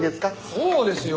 そうですよ！